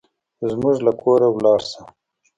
زموږ له کوره لاړ شه.